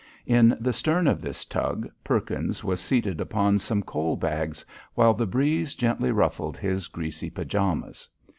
In the stern of this tug Perkins was seated upon some coal bags, while the breeze gently ruffled his greasy pajamas.